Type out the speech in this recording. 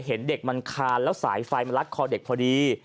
เห็นเด็กมันคานแล้วสายไฟมันลัดคอเด็กพอดี